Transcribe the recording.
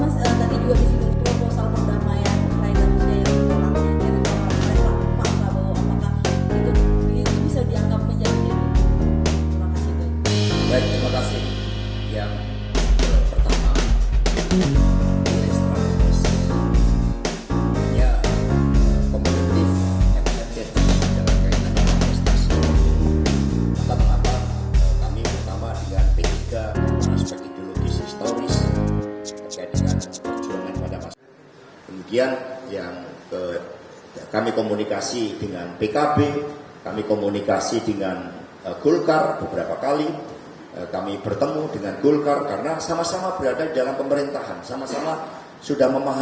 semuanya satu nafas berdua